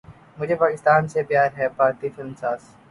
مجھے پاکستان سے پیار ہے بھارتی فلم ساز